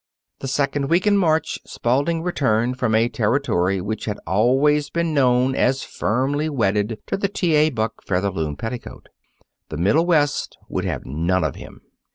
The second week in March, Spalding returned from a territory which had always been known as firmly wedded to the T. A. Buck Featherloom petticoat. The Middle West would have none of him.